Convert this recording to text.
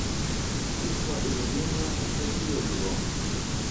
Чувство умиления охватило его.